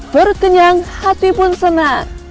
berkenyang hati pun senang